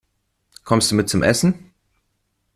Kommst du mit zum Essen?